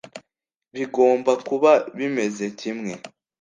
bigomba kuba bimeze kimwe